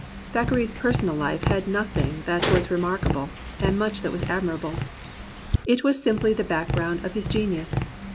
Thackeray's personal life had nothing that was remarkable and much that was admirable. It was simply the background of his genius.